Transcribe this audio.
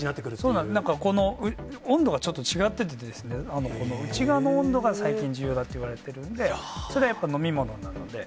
そうです、中の温度がちょっと違ってて、内側の温度が最近重要だといわれているんで、それはやっぱり飲み物などで。